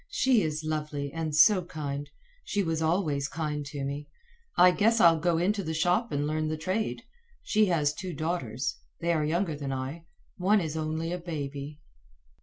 She is lovely, and so kind. She was always kind to me. I guess I'll go into the shop and learn the trade. She has two daughters. They are younger than I. One is only a baby."